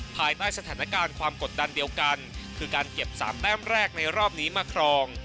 ภายใต้สถานการณ์ความกดดันเดียวกันคือการเก็บ๓แต้มแรกในรอบนี้มาครอง